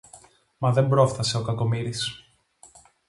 Μα δεν πρόφθασε ο κακομοίρης